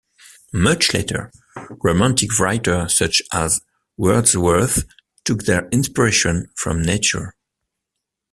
Much later, Romantic writers such as Wordsworth took their inspiration from nature.